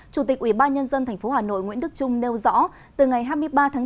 chủ tịch ủy ban nhân dân tp hà nội nguyễn đức trung nêu rõ từ ngày hai mươi ba tháng bốn